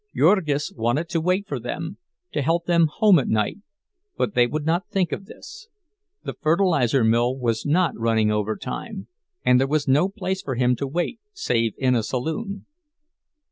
Jurgis wanted to wait for them, to help them home at night, but they would not think of this; the fertilizer mill was not running overtime, and there was no place for him to wait save in a saloon.